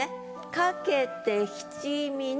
「かけて七味の」